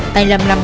tài lầm lầm